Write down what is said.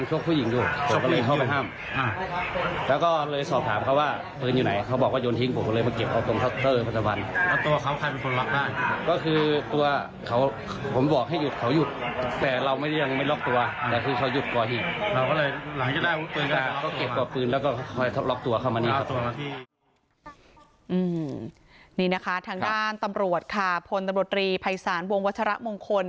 นี่นะคะทางด้านตำรวจค่ะพลตำรวจรีภัยศาลวงวัชระมงคล